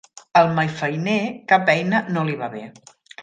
Al malfeiner cap eina no li va bé.